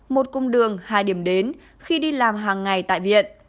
một cung đường hai điểm đến khi đi làm hàng ngày tại viện